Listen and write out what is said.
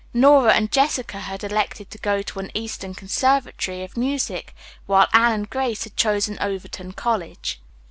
Nora and Jessica had elected to go to an eastern conservatory of music, while Anne and Grace had chosen Overton College.